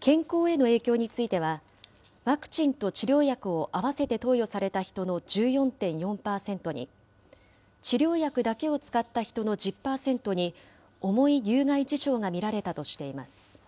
健康への影響については、ワクチンと治療薬を合わせて投与された人の１４．４％に、治療薬だけを使った人の１０％に、重い有害事象が見られたとしています。